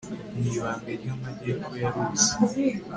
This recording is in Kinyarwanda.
mu ibanga ry'amajyepfo ya luzi